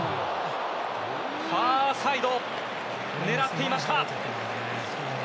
ファーサイド、狙っていました。